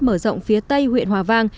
mở rộng phía tây huyện hòa vang